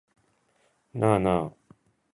なあなあ